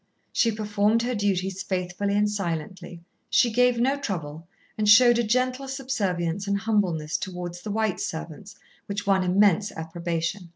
She performed her duties faithfully and silently, she gave no trouble, and showed a gentle subservience and humbleness towards the white servants which won immense approbation.